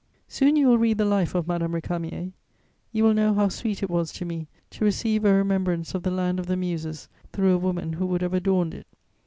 Soon you will read the life of Madame Récamier: you will know how sweet it was to me to receive a remembrance of the land of the Muses through a woman who would have adorned it.